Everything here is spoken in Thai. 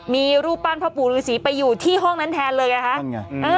มีรูปปั้นพ่อปู่ฤษีไปอยู่ที่ห้องนั้นแทนเลยไงคะนั่นไง